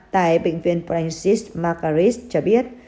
tại bệnh viện francis margaris cho biết